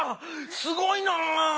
すごいな！